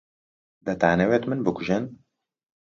دەتانەوێت من بکوژن؟